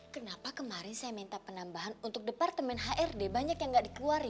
kenapa kemarin saya minta penambahan untuk departemen hrd banyak yang nggak dikeluarin